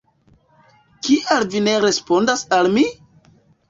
Kial vi ne respondas al mi?